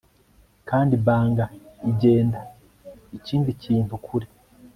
Kandi bang igenda ikindi kintu kure